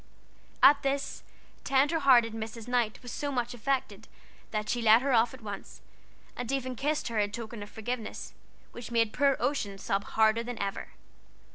At this, tender hearted Mrs. Knight was so much affected that she let her off at once, and even kissed her in token of forgiveness, which made poor Ocean sob harder than ever.